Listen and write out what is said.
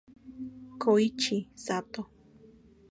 Koichi Sato